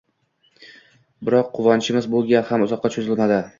Biroq quvonchimiz bu gal ham uzoqqa cho`zilmadi